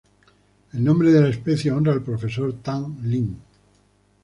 El nombre de la especie honra al profesor Tan Lin.